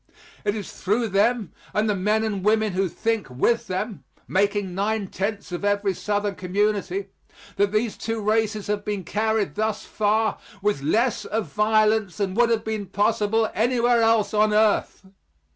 It is through them, and the men and women who think with them making nine tenths of every Southern community that these two races have been carried thus far with less of violence than would have been possible anywhere else on earth.